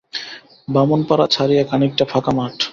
বামুনপাড়া ছাড়িয়া খানিকটা ফাকা মাঠ।